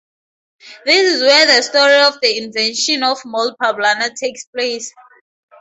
This is where the story of the invention of mole poblano takes place.